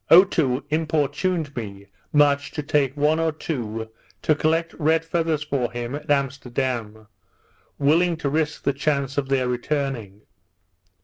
Otoo importuned me much to take one or two to collect red feathers for him at Amsterdam, willing to risk the chance of their returning.